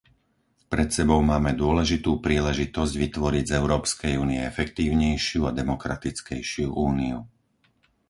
Pred sebou máme dôležitú príležitosť vytvoriť z Európskej únie efektívnejšiu a demokratickejšiu úniu.